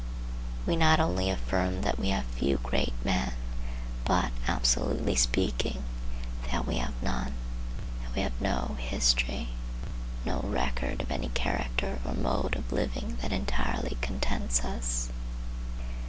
We not only affirm that we have few great men, but, absolutely speaking, that we have none; that we have no history, no record of any character or mode of living that entirely contents us.